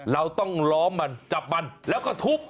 เราต้องล้อมมันจับมันแล้วก็ทุบ